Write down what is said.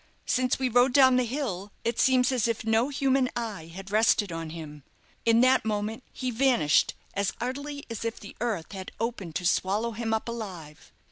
Since we rode down the hill, it seems as if no human eye had rested on him. In that moment he vanished as utterly as if the earth had opened to swallow him up alive."